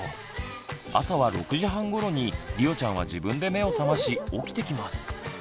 朝は６時半ごろにりおちゃんは自分で目を覚まし起きてきます。